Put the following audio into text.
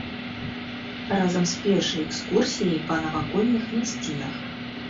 Разам з пешай экскурсіяй па навакольных мясцінах.